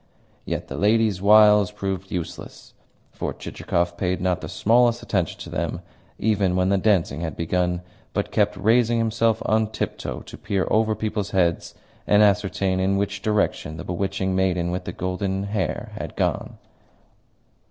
Yet the ladies' wiles proved useless, for Chichikov paid not the smallest attention to them, even when the dancing had begun, but kept raising himself on tiptoe to peer over people's heads and ascertain in which direction the bewitching maiden with the golden hair had gone.